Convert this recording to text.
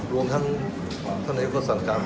รวมทั้งท่านนายก็สรรคาของฝ่ายค้านด้วย